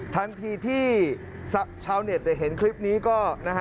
ทันทีที่ชาวเน็ตได้เห็นคลิปนี้ก็